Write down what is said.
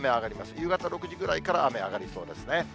夕方６時ぐらいから雨上がりそうですね。